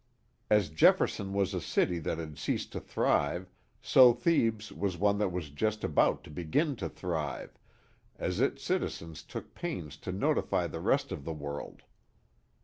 As Jefferson was a city that had ceased to thrive, so Thebes was one that was just about to begin to thrive, as its citizens took pains to notify the rest of the world.